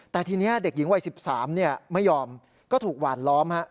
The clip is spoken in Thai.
แต่ทีเนี้ยเด็กหญิงวัยสิบสามเนี่ยไม่ยอมก็ถูกหวานล้อมฮะ